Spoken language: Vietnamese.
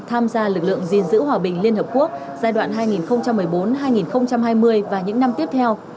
tham gia lực lượng gìn giữ hòa bình liên hợp quốc giai đoạn hai nghìn một mươi bốn hai nghìn hai mươi và những năm tiếp theo